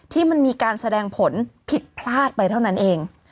ที่มันมีการแสดงผลผิดพลาดไปเท่านั้นเอง